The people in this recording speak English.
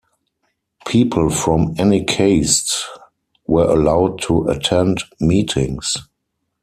People from any caste were allowed to attend meetings.